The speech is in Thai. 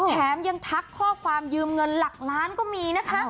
แถมยังทักข้อความยืมเงินหลักล้านก็มีนะคะ